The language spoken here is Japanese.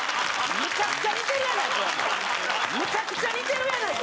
むちゃくちゃ似てるやないか！